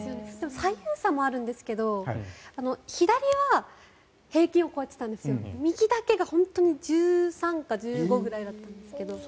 左右差もあるんですが左は平均を超えてたんですが右だけが本当に１３か１５ぐらいだったんですけど。